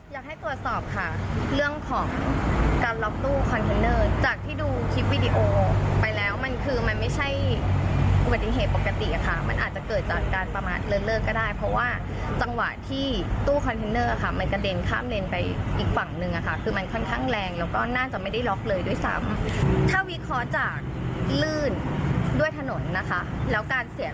อยากให้ตรวจสอบค่ะเรื่องของการล็อกตู้คอนเทนเนอร์จากที่ดูคลิปวิดีโอไปแล้วมันคือมันไม่ใช่อุบัติเหตุปกติอ่ะค่ะมันอาจจะเกิดจากการประมาทเริ่มเลิกก็ได้เพราะว่าจังหวะที่ตู้คอนเทนเนอร์อ่ะค่ะมันกระเด็นข้ามเรนไปอีกฝั่งหนึ่งอ่ะค่ะคือมันค่อนข้างแรงแล้วก็น่าจะไม่ได้ล็อกเลยด้วยซ้ำ